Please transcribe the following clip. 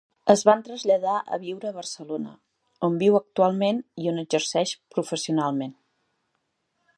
Es va traslladar a viure a Barcelona, on viu actualment i on exerceix professionalment.